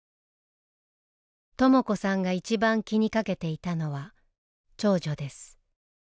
とも子さんが一番気にかけていたのは長女です。